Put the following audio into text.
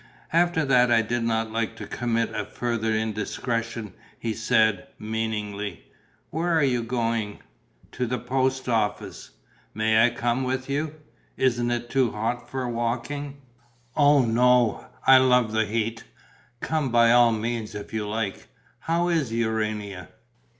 "After that I did not like to commit a further indiscretion," he said, meaningly. "Where are you going?" "To the post office." "May I come with you? Isn't it too hot for walking?" "Oh, no, I love the heat! Come by all means, if you like. How is Urania?"